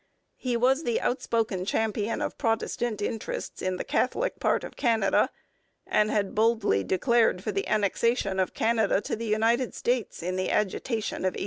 He was the outspoken champion of Protestant interests in the Catholic part of Canada, and had boldly declared for the annexation of Canada to the United States in the agitation of 1849.